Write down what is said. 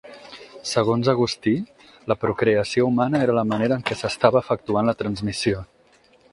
Segons Agustí, la procreació humana era la manera en què s'estava efectuant la transmissió.